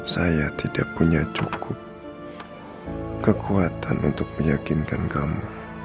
saya tidak punya cukup kekuatan untuk meyakinkan kamu